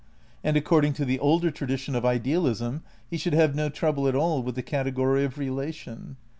And according to the older tradition of idealism he should have no trouble at all with the category of Relation.